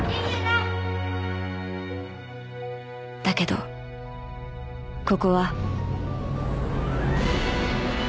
［だけどここは］